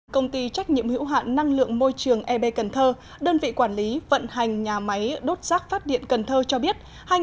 công ty trách nhiệm hữu hạn năng lượng môi trường eb cần thơ đơn vị quản lý vận hành nhà máy đốt rác phát điện cần thơ cho biết